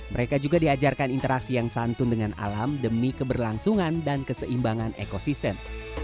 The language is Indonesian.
mereka juga diajarkan interaksi yang santun dengan alam demi keberlangsungan dan keseimbangan ekosistem